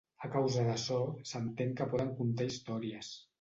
A causa d'açò s'entén que poden contar històries.